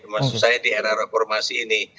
maksud saya di era reformasi ini